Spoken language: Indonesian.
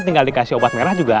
tinggal dikasih obat merah juga